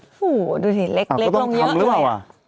โอ้โหดูดิเล็กลงเยอะเลยอ่ะก็ต้องทำหรือเปล่าอ่ะ